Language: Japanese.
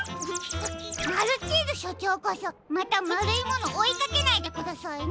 マルチーズしょちょうこそまたまるいものおいかけないでくださいね。